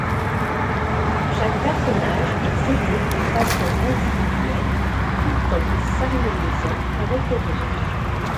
Chaque personnage est traité de façon individuelle tout en s’harmonisant avec les deux autres.